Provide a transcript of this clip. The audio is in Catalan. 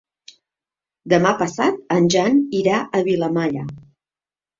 Demà passat en Jan irà a Vilamalla.